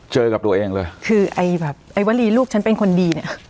เจอกับตัวเองเลยคือไอ้แบบไอ้วลีลูกฉันเป็นคนดีเนี่ย